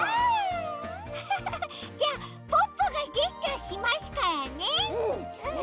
じゃあポッポがジェスチャーしますからね。よ